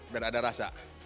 biar ada rasa